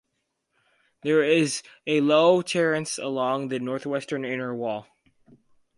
There is a low terrace along the northwestern inner wall.